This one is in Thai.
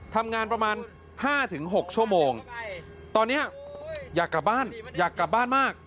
ทำงานประมาณ๕๖ชั่วโมงตอนนี้อยากกลับบ้านอยากกลับบ้านมาก